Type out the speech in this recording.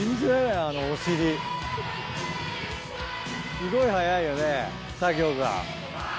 すごい早いよね作業が。